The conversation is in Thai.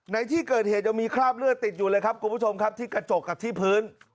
ในที่เกิดเหตุยังมีคราบเลือดติดอยู่เลยครับคุณผู้ชมครับที่กระจกกับที่พื้น